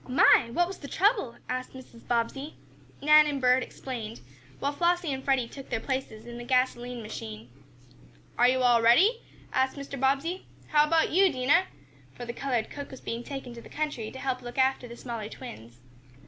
"My! What was the trouble?" asked Mrs. Bobbsey. Nan and Bert explained, while Flossie and Freddie took their places in the gasoline machine. "Are you all ready?" asked Mr. Bobbsey. "How about you, Dinah?" for the colored cook was being taken to the country to help look after the smaller twins.